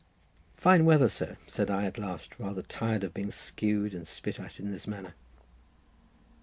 "Fine weather, sir," said I at last, rather tired of being skewed and spit at in this manner.